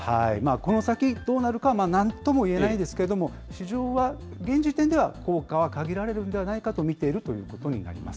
この先どうなるかは、何ともいえないですけれども、市場は、現時点では効果は限られるんではないかと見ているということになります。